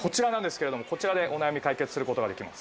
こちらでお悩み解決することができます。